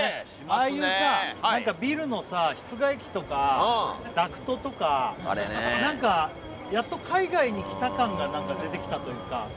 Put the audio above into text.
ああいうビルの室外機とかダクトとかやっと海外に来た感が出てきたというか。